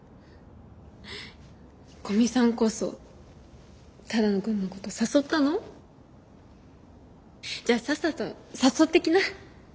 古見さんこそ只野くんのこと誘ったの？じゃあさっさと誘ってきな。